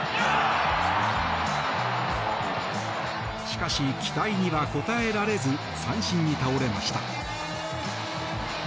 しかし期待には応えられず三振に倒れました。